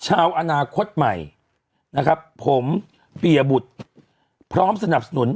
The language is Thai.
ชาวอนาคตใหม่นะครับผมเปียบุตรพร้อมสนับสนุน